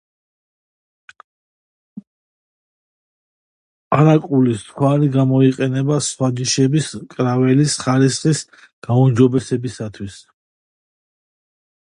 ყარაკულის ცხვარი გამოიყენება სხვა ჯიშების კრაველის ხარისხის გაუმჯობესებისათვის.